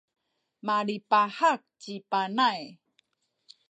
malipahak ci Panay.